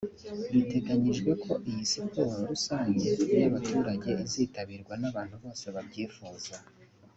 Biteganyijwe ko iyi siporo rusange y’abaturage izitabirwa n’abantu bose babyifuza